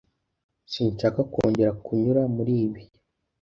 Sinshaka kongera kunyura muri ibi.